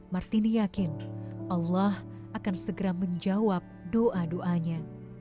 martini yakin allah akan segera menjawab doa doanya